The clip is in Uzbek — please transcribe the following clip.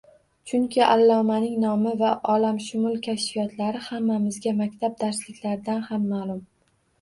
Chunki allomaning nomi va olamshumuml kashfiyotlari hammamizga maktab darsliklaridan ham ma`lum